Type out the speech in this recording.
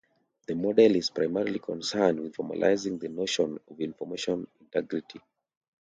The model is primarily concerned with formalizing the notion of information integrity.